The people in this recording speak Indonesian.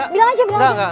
bilang aja bilang aja